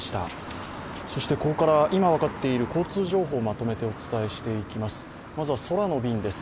ここから、今分かっている交通情報をまとめてお伝えしていきます。